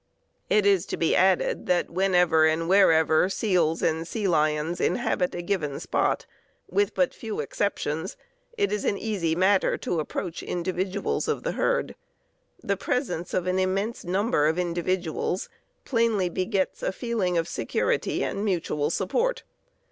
It is to be added that whenever and wherever seals or sea lions inhabit a given spot, with but few exceptions, it is an easy matter to approach individuals of the herd. The presence of an immense number of individuals plainly begets a feeling of security and mutual support.